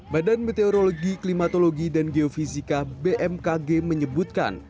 badan meteorologi klimatologi dan geofisika bmkg menyebutkan